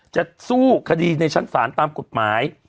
จะสู้คดีในชั้นศาลตามกฎหมาย